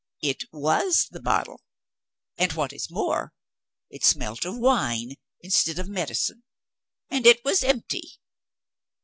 "It was the bottle; and, what is more, it smelt of wine, instead of medicine, and it was empty.